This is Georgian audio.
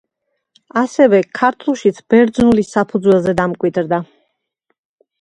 ასევე, ქართულშიც ბერძნულის საფუძველზე დამკვიდრდა.